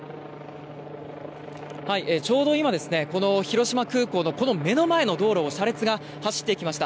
ちょうど今この広島空港のこの目の前の道路を車列が走ってきました。